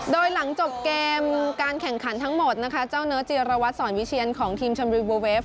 โดยหลังจบเกมการแข่งขันทั้งหมดนะคะเจ้าเนิร์จีรวัตรสอนวิเชียนของทีมชนบุรีบูเวฟ